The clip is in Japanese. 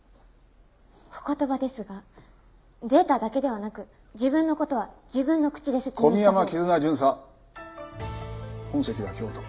お言葉ですがデータだけではなく自分の事は自分の口で説明したほうが。